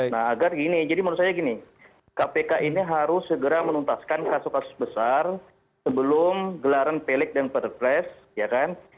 nah agar gini jadi menurut saya gini kpk ini harus segera menuntaskan kasus kasus besar sebelum gelaran pelik dan perpres ya kan